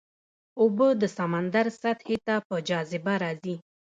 اوبه د سمندر سطحې ته په جاذبه راځي.